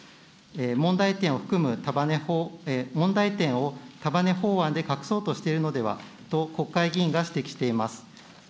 問題点を含む、問題点を束ね法案で隠そうとしているのではと、国会議員が指摘しています。